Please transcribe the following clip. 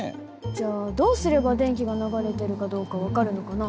じゃあどうすれば電気が流れてるかどうか分かるのかな？